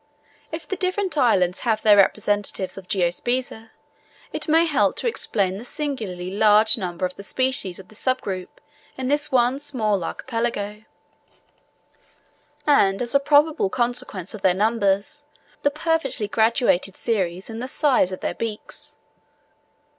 If the different islands have their representatives of Geospiza, it may help to explain the singularly large number of the species of this sub group in this one small archipelago, and as a probable consequence of their numbers, the perfectly graduated series in the size of their beaks.